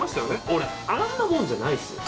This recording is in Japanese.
俺あんなもんじゃないっすよ。